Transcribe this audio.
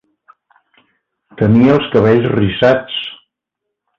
Tenia els cabells rissats